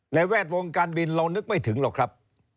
แวดวงการบินเรานึกไม่ถึงหรอกครับ